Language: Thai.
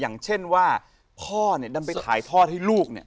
อย่างเช่นว่าท่อนำไปถ่ายทอดให้ลูก